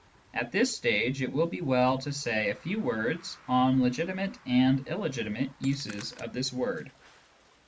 At this stage, it will be well to say a few words on legitimate and illegitimate uses of this word.